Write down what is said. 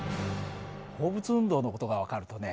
放物運動の事が分かるとね